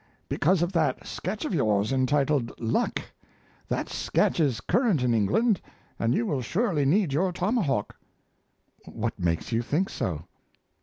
"Because of that sketch of yours entitled 'Luck.' That sketch is current in England, and you will surely need your tomahawk." "What makes you think so?"